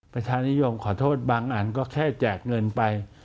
ประชานิยมขอโทษบางอันก็แค่แจกเงินไป